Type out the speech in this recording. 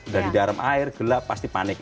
dari garam air gelap pasti panik